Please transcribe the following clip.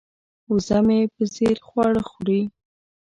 وزه مې په ځیر خواړه خوري.